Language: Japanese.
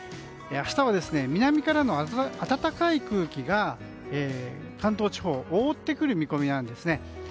明日は南からの暖かい空気が関東地方を覆ってくる見込みなんですね。